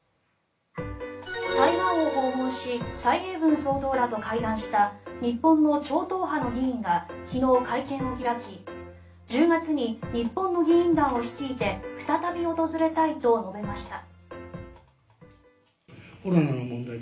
台湾を訪問し蔡英文総統らと会談した日本の超党派の議員が昨日、会見を開き１０月に日本の議員団を率いて再び訪れたいと述べました。